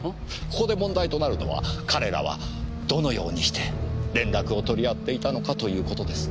ここで問題となるのは彼らはどのようにして連絡を取り合っていたのかということです。